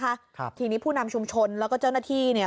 ครับทีนี้ผู้นำชุมชนแล้วก็เจ้าหน้าที่เนี่ย